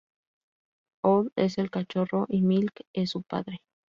Old es el cachorro y Milk es su padre.